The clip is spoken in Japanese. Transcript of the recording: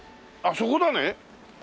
あっそこだね！